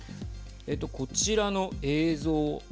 こちらの映像。